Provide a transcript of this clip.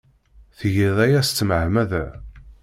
Tgiḍ aya s tmeɛmada.